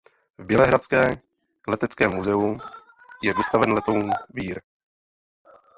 V bělehradské leteckém muzeu je vystaven letoun výr.